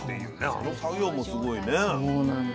あの作業もすごいね。